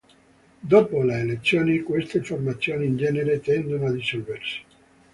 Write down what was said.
Dopo le elezioni, queste formazioni in genere tendono a dissolversi.